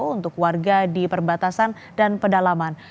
untuk warga di perbatasan dan pedalaman